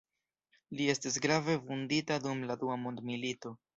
Li estis grave vundita dum la dua mondmilito.